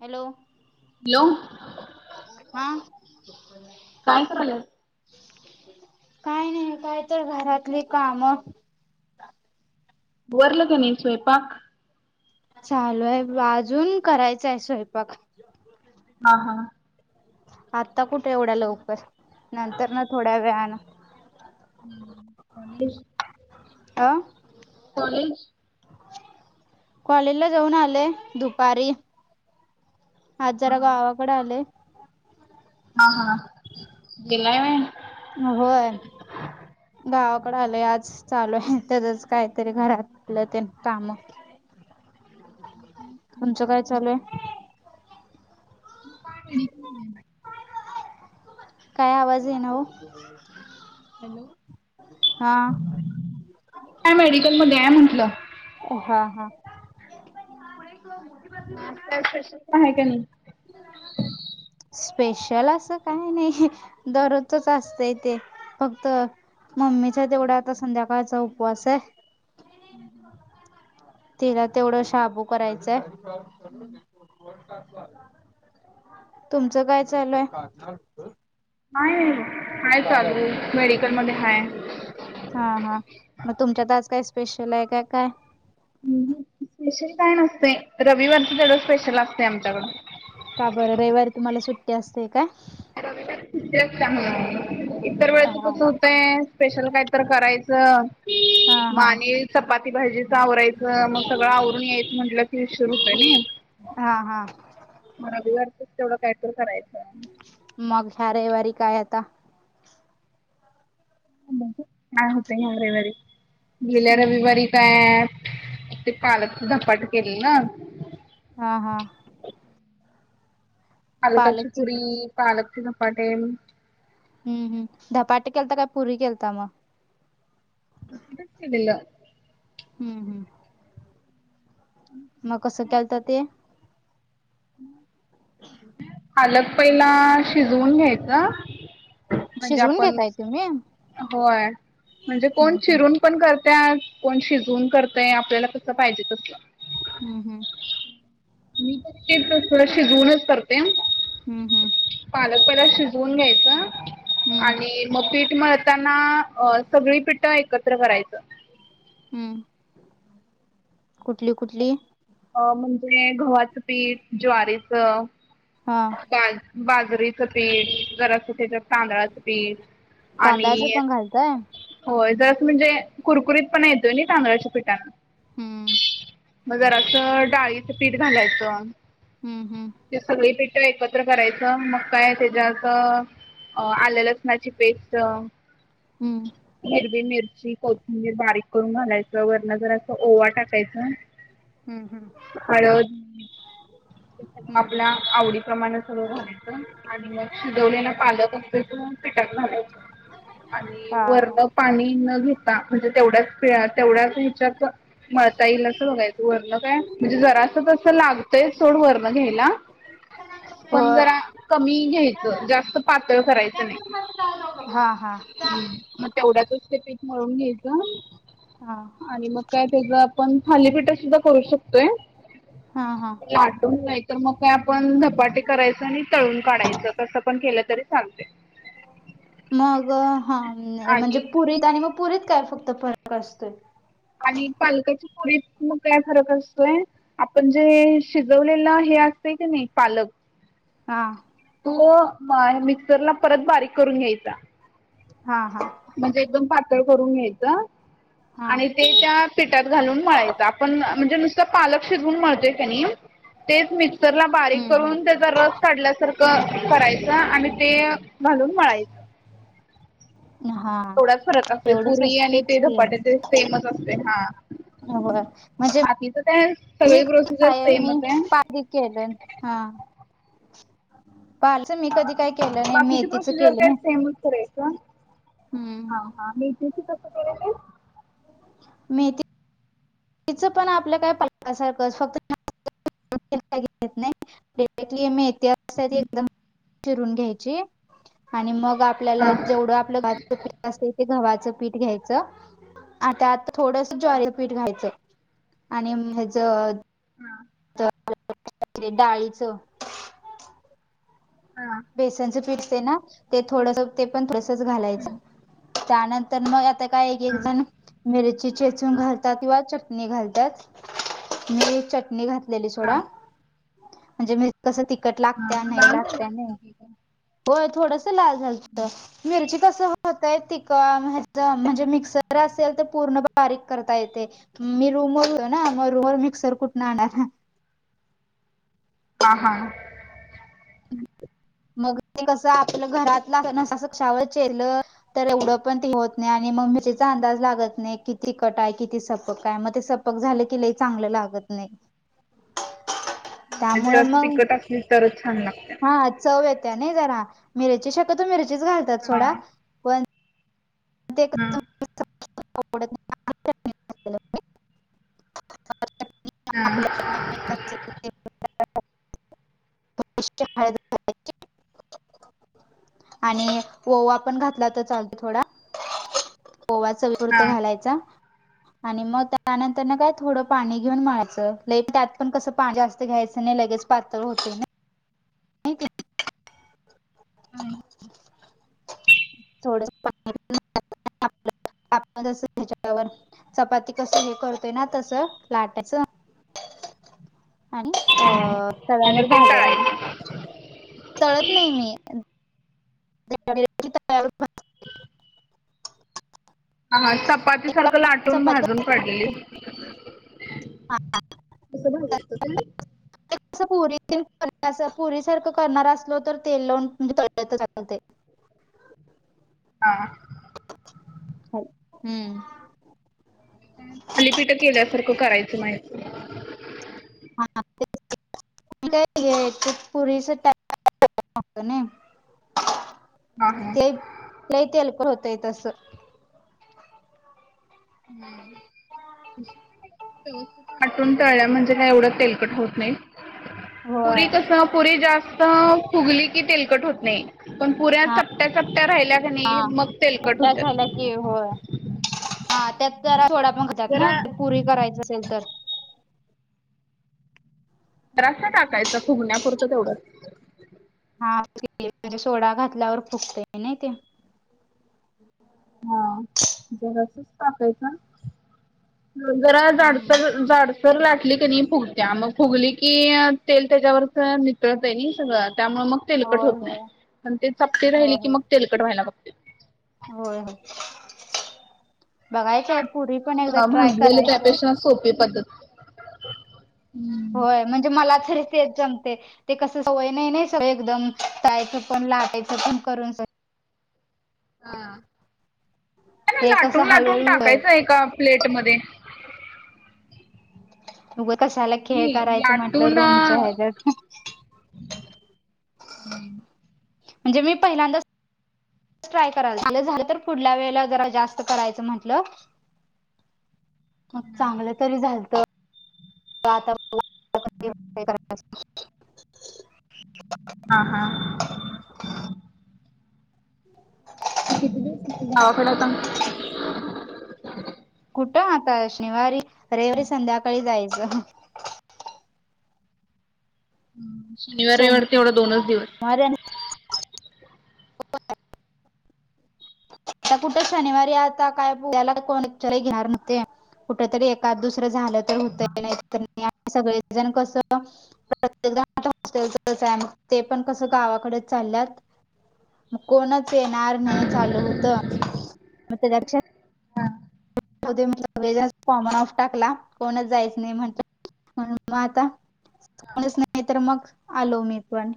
Hello... hello हा काय करायल्यास? काय नाही काय तर घरातली काम आवरलं काय नाही स्वयंपाक? चाललंय. अजून करायचंय स्वयंपाक. हा हा आता कुठे एवढ्या लवकर नंतरन थोड्या वेळानं हम्म ओन्ली आ कॉलेज कॉलेजला जाऊन आले दुपारी आज हा जरा गावाकडे आले. हा हा दिलाय होय. होय गावाकडं आलोय आज चालू आहे त्याजच काहीतरी घरातलं तेन कामं [unintelligible] तुमचं काय चालू आहे? [unintelligible] काय आवाज येईना ओ हॅलो... काय मेडिकल मध्ये आहे म्हटलं हा हा आज काय स्पेशल काय आहे का नाही? स्पेशल असं काही नाही दररोजचच असतंय ते फक्त मम्मीच्या तेवढ्या आता संध्याकाळचा उपवास आहे. तिला तेवढं शाबू करायचंय. तुमचं काय चालू आहे? नाही नाही आहे चालू मेडिकल मध्ये हाय हा हा मग तुमच्यात आज काय स्पेशल आहे का काय? अं हूं स्पेशल काय नसतयं रविवारचं तेवढं स्पेशल असतंय आमच्याकडं का बरं रविवारी तुम्हाला सुट्टी असतयं काय? रविवारी सुट्टी असत्या मला. इतर वेळेच हा कसं होतयं स्पेशल काय तर करायचं मग हा आणि चपाती भाजीच आवरायचं मग सगळं आवरून यायचं म्हटलं की, उशिर होतोय नाही. हा हा मग रविवारचं तेवढ कायतर करायचं. मग ह्या रविवारी काय आता? काय होतंय या रविवारी गेल्या हम्म. रविवारी- त्या ते पालकच धपाटं केलेलं. हा हा पालकाची पालकच पुरी, पालकचे धपाटे, हूं हू धपाटे केलता काय पुरी केलता मग? पुरी च केलेलीं, हम्म हम् मग कसं केलता ते? [unintelligible] पालक पहिला शिजवून घ्यायचं. म्हणजे शिजवून आपण घेताय तुम्ही हम्म होय म्हणजे कोण हम्म चिरून- पण करत्यात कोण शिजवून करतयं आपल्याला कसं पाहिजे तसं. हम्म्म मी पण थोडं शिजवूनच करत्या [unintelligible] हम्म हम्म पालक पहिला शिजवून घ्यायचं हम्म आणि- मग पीठ मळताना अ सगळी पीठं एकत्र करायचं. हूं कुठली कुठली? अ म्हणजे गव्हाचं पीठ, ज्वारीचं, हा बाज बाजरीचं पीठ जरासं सुट्ट तादंळाचं पीठ तांदळाचं आणि- पण घालताय होय जरासं म्हणजे कुरकुरीत पणा येतोय नही तांदळाच्या पिठानं. हम्म मग जरासं डाळीचं पीठ घालायचं. हम्म हम्म ते सगळी पिठ एकत्र करायचं मग काय त्याच्या असं- अ आलं लसणाची पेस्ट- हम्म, हिरवी मिरची, कोथिंबीर बारीक करून घालायचं, वरन जर असं ओवा टाकायचं. [inaudible] हम्म हम्म. हम्म आपल्या हम्म आवडी प्रमाण सगळं घालायचं. आणि मग शिजवलेला पालक असतोय तो पिठात घालायचा. आणि हा हा वरण पाणी न घेता, म्हणजे तेवढ्याच पिळा तेवढ्याच ह्याच्यात- मळता येईल असं बघायचं, वरण काय म्हणजे, जरा अस तस लागतंय सोड वरण घ्यायला. पण होय जरा कमी घ्यायचं, जास्त पातळ करायचं नाही. चालावं बघा हा मग तेवढ्यातच ते पीठ मळून घ्यायचं. हा, आणि मग काय त्याच आपण थालीपीठ सुद्धा करू शकतोय. हा हा लाटून - तर मग काय आपण व, धपाटे करायचं आणि तळून काढायचं, कसं पण केलं तरी चालतंय. मंग हां म्हणजे आणि पुरी आणि मंग पुरीत कायं फक्तं फरंक असतोय. आणि पालकांच्या पुरीत मंग कायं फरंक असतोय. आपणं जे शिजवलेलं हे असते की नाहीं पालक. हां, तो मिक्संरला परंत बारीक करूंन घ्यांयचा. हां हां. म्हणजे एकदंम पातंळ करूंन घ्यायचंय हा आणि ते त्यांतं पिठांत घालूंन मळांयचं आपणं म्हणजे नुसतं पालक शिजवूंन मळतोय की नाहीं तेचं मं मिक्सरलां बारीक हम्म करूंन त्यांचा रसं काढल्यांसारखं करायचं आणि ते घालून मळायचं हम्म हा थोडांचं फरंक असतोय एवढंच पुरी आणि असतेच ते की धपाट्यांचे सेमचं असतंय हां. होय म्हणजे बााकीचं कायं सगळें प्रोसिजरं सेमचं आहे. दिकेलं हां पालकचं मी हा कधीं बाकीची प्रोसिजर कायं सेमचं करायचं हां. हम्म हां मेथीचं कसं केलांय ते मेथी मेथी तिचं पणं आपल्या कायं पालकां सारखंच फक्तं देठं बिटं घ्यायचं नाहीं पेंडतली मेथी एकदंम चिरूंन घ्यांयची. आणि मंग हा आपल्यांला जेवढं आपलं चं पीठ असतंय ते गव्हाचं पीठ घ्यांयचं. आंता आंता थोडंसं हा ज्वारीचं पीठं घायचं आणि हेचं हां तरं डाळीचं, हां बेसनचं पिठं असतंय नां ते थोडंसं ते पणं थोडंसं चं घालायचं. त्यांनंतर मंग आंता कायं एक एक हा जणं मिर्ची चेेचूंन घालतांत किंवा चटणी घालतांत मी चटणी घातलेली हा सोंडा म्हणजे मी कसं तिकटं लागत्यां हा नाहीं लाल झाली लागत्यां नाहीं. असतील की काय होयं थोडंसं लांल झालंतय मिर्ची कसं होयं ते तिकं हेज म्हणजे मिक्सर असेल तरं पूर्ण बारीक करतां येतेय. मी रूंमवरं होतो नां मगं रूंमवरं मिक्सर कुंठूंन आणणारं. हां हां. [inaudible] [unintelligible] मंग ते कसं आपलं घरांत कशावरं चेरलं तरं एवढं पणं ते होतं नाहीं आणि मिरचीच्यां अंदांज लागतं नाहीं कि किती तिखंट आहे संपक आहे मंग ते संपक झालं कि लंय चांगलं लागतं नाहीं. जरं असं तिखंट असली तरचं छान लागते त्यातं हां चंव येत्यां नाहीं जरां मिर्ची शक्यतो मिरचीचं घालतांत हा सोंडा ते हा कसं उ आं एक आं ओढतं अ आ इ आ हा ए ओ ए उ ए उ हु [unintelligible] उ आ इ इ आ ए आणि [unintelligible] आणि ओवा पणं घातलां तरं चालतो थोडां ओवा हा चवीपुंरता घालांयचा आणि मंग त्यां त्यानंतर नां कायं थोडं पाणी घेऊन मळायचं लई त्यांत पणं कसं पाणी जास्तं घ्यायचं नाहीं लगेच पातंळ होते हम्मं, थोड अ ऊ अ आ च इ त्याच्यावर चपाती कसं करतोय ना तसं लाटायच आणि अ आणि तव्यावर ते भाजायचा आणि तळायचे. तळत नाही मी. ने अरबीत. इथं आ उ हा चपाती सारखं लाटून चपाती भाजून. काडलेली हां. असं भाजतात काय. ते कसं पुरीतील पुरी सारखं करणार असलो तर तेल लावून म्हणजे तळतायेत असतं ते. हा आ हाव हम्म. थालीपीठ केल्यासारखं करायचं माहित [unintelligible] ते ये पुरीच्या अ अ ने. हा हा क्लेप लई तेलकट होतंय तसं. हम्म म्हणजे हम् आतुन तळल्या म्हणजे काय एवढं तेलकट होत नाही होय. पुरी कसं पुरी जास्त फुगली की तेलकट होत नाही पण पुऱ्या चपट्या चपट्या राहिल्या. का हा नाही मग तेलकट सट्टा झाला होत्यात. की हो हा त्यात जरा सोडा बघत्यात ना. जरा पुरी करायचं असेल तर. रस्सा टाकायचा फुगण्यापुरतं तेवढंच. हा म्हणजे सोडा घातल्यावर फुगतयं नाही ते. हा जरासचं टाकायचं आ जरा हम्म. जाडसर जाड सर् सर लाटली की नाही फुगत्या मग फुगली की तेल त्याच्यावरचं नितळतय नाही सगळं त्यामुळं मग तेलकट होय होत नाही होय. पण ते चपटे होय राहिले की होय. मग तेलकट व्हायला बघते. होय होय बघायचंय पुरी पण एकदा ट्राय भाजलेले करायचं. त्यापेक्षा सोपी पद्धत. होय म्हणजे मला तरी तेचं जमते. ते कस सवय नाही नाही सगळं एकदम तळायचं पण लाटायचं पण करून. हा ते कसं लाटून लाटून हळूहळू होय टाकायचं एका प्लेट मध्ये. उगं कशाला खेळ मी करायचं म्हटलं लाटून रूमचंं ह्याच्यात. हा म्हणजे मी पहिल्यांदा ट्राय कराल झालं झालं तर पुढल्या वेळेला जरा जास्त करायचं म्हटलं. हम््हम् हम्म. मग चांगलं तरी झालतं आता व दे. करायला. हा हा. किर्््््््््् किती दिवस गावाकडे सांगते. कुठं आता शनिवारी रविवारी संध्याकाळी जायचं. शनिवार एवढ तेवढा दोनच दिवस. मर होपर. आता कुठे शनिवारी आता काय याला कोचर घेणार नव्ह. कुठ तरी एकाद दुसरं झालं तर होतही नाही तर सगळेजण कसं प्रत्येकदा आ हॉस्टेलच आहे ते पण कसं गावाकडे चालल्यात. मग कोणच येणार नाही चालू होत मग त्याच्या पेक्षा. हा. म सगळे जात फॉर्म ऑफ टाकला कोणच जायच नाही म्हटलं मग आता. कोणीच नाही तर मग आलो मी पण.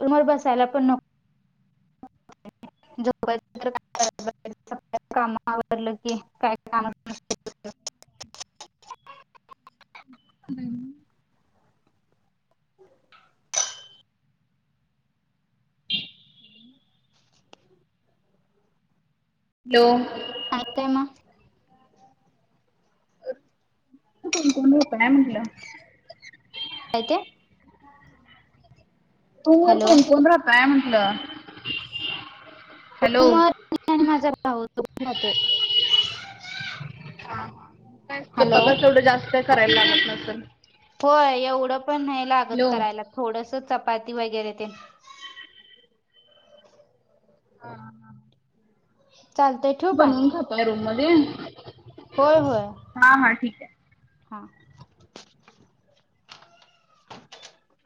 समोर बसायला पण नको. झोपून राहिले काम आवरलं की काय काम. हम्म. हॅलो. अ काय म. तिथं कोण कोण राहताय म्हटलं. काय ते. रूमवर हॅलो कोण कोण राहताय म्हंटलं हॅलो. समोर मी आणि माझा भाऊ दोघ राहतोय. काय बघ हॅलो स्वयंपाकाच एवढं जास्त करायला लागत नसल. होय एवढं पण नाही लागत हॅलो करायला थोडस चपाती वगैरे ते. ह चालतंय ठेवू का बनवून खाताय रूम मध्ये. होय होय हा हा ठीक आहे. हा. ह.